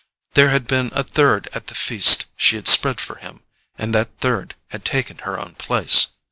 There had been a third at the feast she had spread for him, and that third had taken her own place.